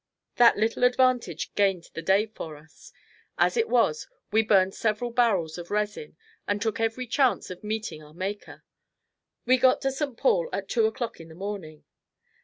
That little advantage gained the day for us. As it was, we burned several barrels of resin and took every chance of meeting our Maker. We got to St. Paul at two o'clock in the morning.